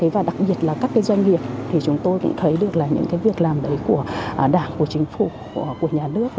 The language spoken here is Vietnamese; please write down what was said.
và đặc biệt là các doanh nghiệp chúng tôi cũng thấy được những việc làm đấy của đảng của chính phủ của nhà nước